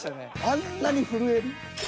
あんなに震える？